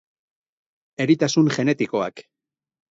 Eritasun genetikoak.